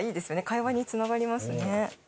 会話に繋がりますね。